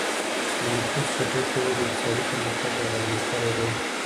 د نفوسو چټکې ودي اقتصادي پرمختګ اغیزمن کړی دی.